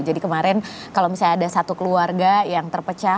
jadi kemarin kalau misalnya ada satu keluarga yang terpecah